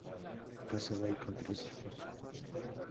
Casada y con tres hijos.